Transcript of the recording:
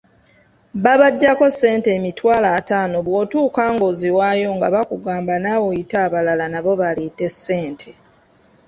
Babaggyako ssente emitwalo ataano bw'otuuka ng'oziwaayo nga bakugamba naawe oyite abalala nabo baleete ssente.